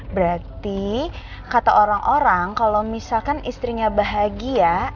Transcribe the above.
berarti kata orang orang kalau misalkan istrinya bahagia